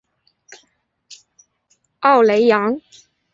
奥雷扬。